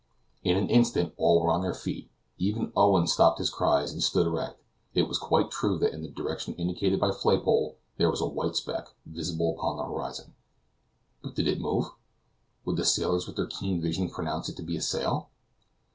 In an instant all were on their feet. Even Owen stopped his cries and stood erect. It was quite true that in the direction indicated by Flaypole there was a white speck visible upon the horizon. But did it move? Would the sailors with their keen vision pronounce it to be a sail?